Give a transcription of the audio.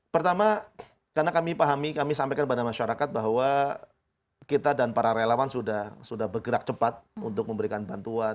pertama karena kami pahami kami sampaikan kepada masyarakat bahwa kita dan para relawan sudah bergerak cepat untuk memberikan bantuan